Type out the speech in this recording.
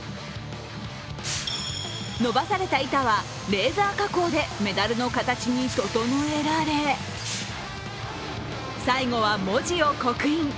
延ばされた板はレーザー加工でメダルの形に整えられ最後は文字を刻印。